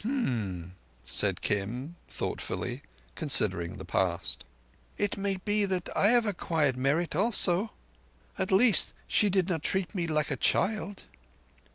"Umm," said Kim thoughtfully, considering the past. "It may be that I have acquired merit also ... At least she did not treat me like a child."